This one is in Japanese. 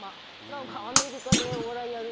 何かアメリカでお笑いやるみたいな。